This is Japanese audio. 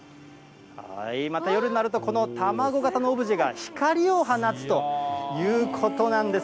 また夜になると、この卵型のオブジェが光を放つということなんです。